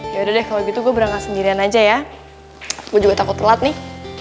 yaudah deh kalau gitu gue berangkat sendirian aja ya gue juga takut telat nih